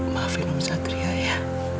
maafin om satria ya